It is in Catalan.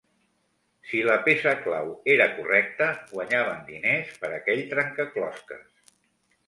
Si la peça clau era correcta, guanyaven diners per aquell trencaclosques.